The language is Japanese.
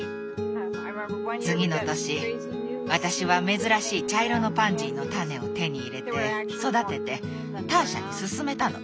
次の年私は珍しい茶色のパンジーの種を手に入れて育ててターシャにすすめたの。